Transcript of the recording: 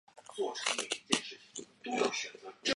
他因为玄宗作祭祀词而得圣宠。